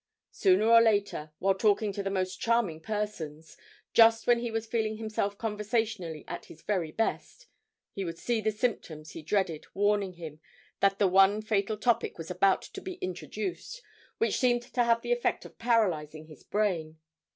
Sooner or later, while talking to the most charming persons, just when he was feeling himself conversationally at his very best, he would see the symptoms he dreaded warning him that the one fatal topic was about to be introduced, which seemed to have the effect of paralysing his brain.